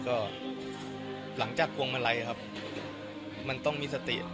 ก็หลังจากพวงมาลัยครับมันต้องมีสติ